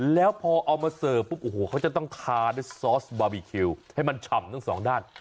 แล้วพอเอามาเสิร์ฟเขาจะต้องทาซสอสบาบีคิวให้มันฉ่ำตั้งสองด้าน